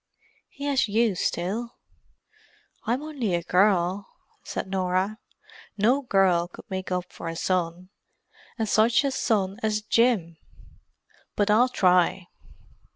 "He has you still." "I'm only a girl," said Norah. "No girl could make up for a son: and such a son as Jim. But I'll try."